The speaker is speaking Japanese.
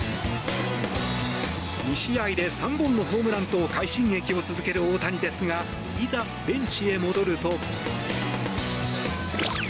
２試合で３本のホームランと快進撃を続ける大谷ですがいざ、ベンチへ戻ると。